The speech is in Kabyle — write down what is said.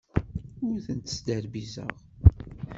Ur tent-sderbizeɣ.